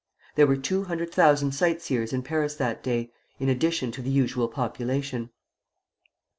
There were two hundred thousand sightseers in Paris that day, in addition to the usual population.